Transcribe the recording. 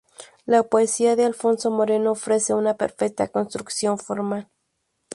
La poesía de Alfonso Moreno ofrece una perfecta construcción formal.